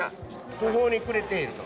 途方に暮れていると。